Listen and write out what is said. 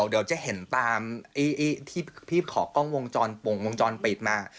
เดี๋ยวจะเห็นตามที่พี่ขอกล้องวงจรปงวงจรปิดมา